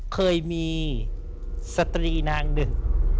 เคยมีสตรีนางหนึ่ง